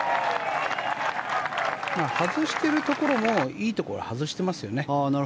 外しているところもいいところに外してますよね。